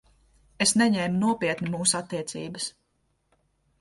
Es neņēmu nopietni mūsu attiecības.